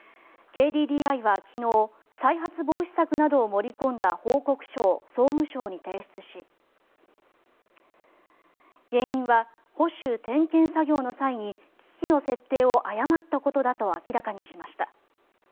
ＫＤＤＩは昨日再発防止策などを盛り込んだ報告書を総務省に提出し原因は保守・点検作業の際に機器の設定を誤ったことだと明らかにしました。